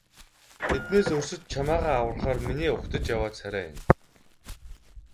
Тэднээс өрсөж чамайгаа аврахаар миний угтаж яваа царай энэ.